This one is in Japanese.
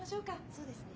そうですね。